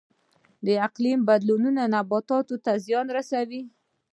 اقلیم بدلون نباتاتو ته زیان رسوي